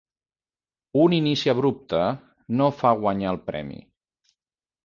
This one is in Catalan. Un inici abrupte no fa guanyar el premi.